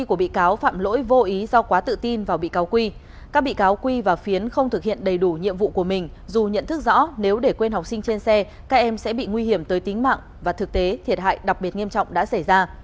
các bị cáo quy và phiến không thực hiện đầy đủ nhiệm vụ của mình dù nhận thức rõ nếu để quên học sinh trên xe các em sẽ bị nguy hiểm tới tính mạng và thực tế thiệt hại đặc biệt nghiêm trọng đã xảy ra